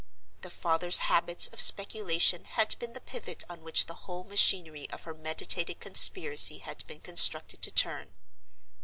The father's habits of speculation had been the pivot on which the whole machinery of her meditated conspiracy had been constructed to turn.